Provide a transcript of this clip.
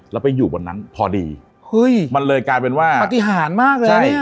แล้วไปอยู่บนนั้นพอดีเฮ้ยมันเลยกลายเป็นว่าปฏิหารมากเลยใช่